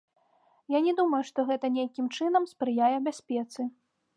Я не думаю, што гэта нейкім чынам спрыяе бяспецы.